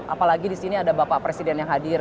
apalagi disini ada bapak presiden yang hadir